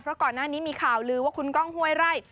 เพราะก่อนหน้านี้มีข่าวลือว่าคุณก้องห้วยไร่